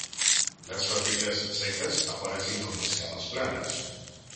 Las papilas secas aparecen como escamas planas.